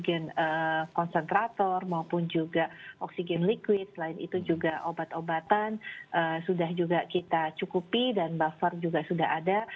kemudian konsentrator maupun juga oksigen liquid selain itu juga obat obatan sudah juga kita cukupi dan buffer juga sudah ada